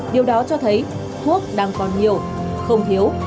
điều đó cho thấy thuốc đang còn nhiều không thiếu